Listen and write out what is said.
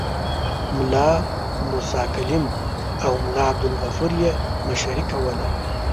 ملا موسی کلیم او ملا عبدالغفور یې مشري کوله.